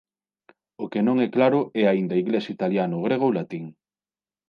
O que non é claro é aínda inglés, italiano, grego ou latín.